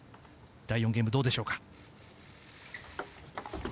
第４ゲーム、どうでしょうか。